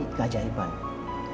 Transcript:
bisa jadi keajaiban yang lain juga